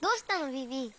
ビビ。